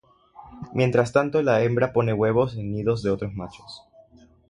Mientras tanto la hembra pone huevos en nidos de otros machos.